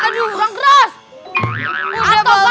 aduh orang keras